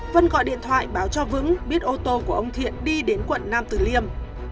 vân gọi điện thoại báo cho vững biết ô tô của ông thiện đi đến quận nam tử liêm